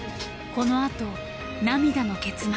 このあと涙の結末。